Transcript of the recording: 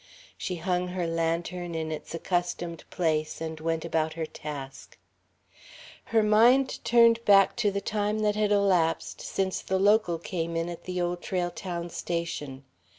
She hung her lantern in its accustomed place, and went about her task. Her mind turned back to the time that had elapsed since the Local came in at the Old Trail Town station.